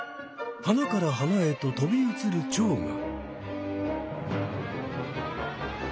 花から花へととび移るチョウが。